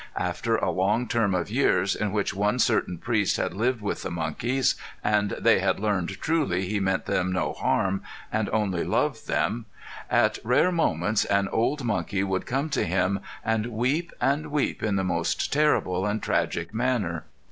After a long term of years in which one certain priest had lived with the monkeys and they had learned truly he meant them no harm and only loved them, at rare moments an old monkey would come to him and weep and weep in the most terrible and tragic manner.